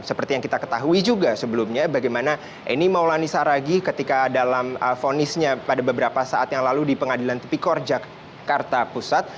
seperti yang kita ketahui juga sebelumnya bagaimana eni maulani saragih ketika dalam vonisnya pada beberapa saat yang lalu di pengadilan tipikor jakarta pusat